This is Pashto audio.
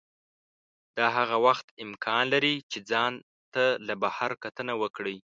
دا هغه وخت امکان لري چې ځان ته له بهر کتنه وکړئ.